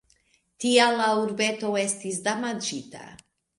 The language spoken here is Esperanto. Tial la urbeto estis damaĝita.